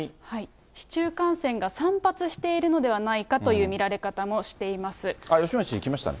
市中感染が散発しているのではないかという見られ方もしてい吉村知事、来ましたね。